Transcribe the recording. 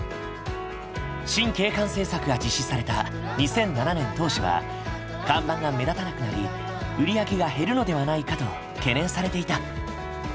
新景観政策が実施された２００７年当初は看板が目立たなくなり売り上げが減るのではないかと懸念されていた。